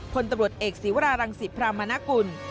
พลตำรวจเอกศีวรารังศิพรามนกุล